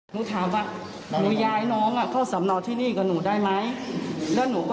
เพราะถึงย้ายมาก็ไม่มีสิทธิ์ทำได้เพราะว่าแบบนี้